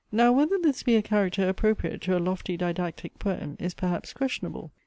Now whether this be a character appropriate to a lofty didactick poem, is perhaps questionable.